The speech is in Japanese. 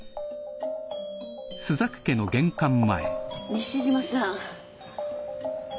西島さん。